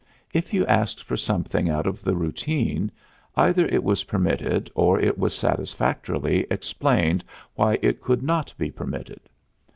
If you asked for something out of the routine, either it was permitted or it was satisfactorily explained why it could not be permitted.